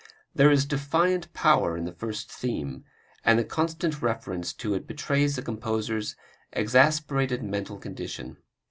There is defiant power in the first theme, and the constant reference to it betrays the composer's exasperated mental condition.